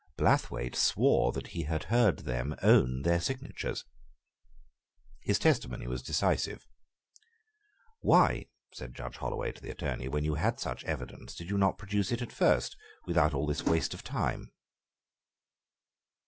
Blathwayt swore that he had heard them own their signatures. His testimony was decisive. "Why," said judge Holloway to the Attorney, "when you had such evidence, did you not produce it at first, without all this waste of time?"